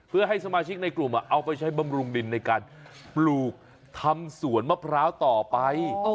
เพื่อให้สมาชิกในกลุ่มเอาไปใช้บำรุงดินในการปลูกทำสวนมะพร้าวต่อไป